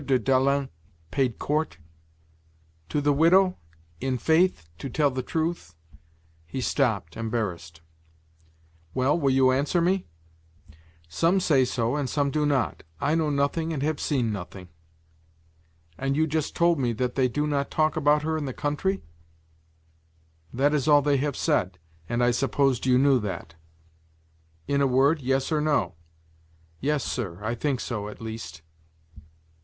de Dalens paid court?" "To the widow? In faith to tell the truth " he stopped, embarrassed. "Well, will you answer me?" "Some say so and some do not I know nothing and have seen nothing." "And you just told me that they do not talk about her in the country?" "That is all they have said, and I supposed you knew that." "In a word, yes or no?" "Yes, sir, I think so, at least."